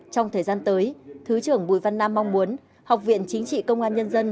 trong thời gian tới thứ trưởng bùi văn nam mong muốn học viện chính trị công an nhân dân